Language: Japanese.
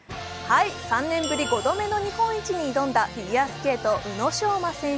３年ぶり５度目の日本一に挑んだフィギュアスケート・宇野昌磨選手